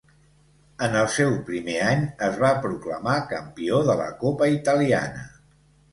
En el seu primer any es va proclamar campió de la Copa Italiana.